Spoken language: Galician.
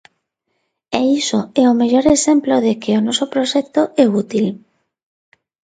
E iso é o mellor exemplo de que o noso proxecto é útil.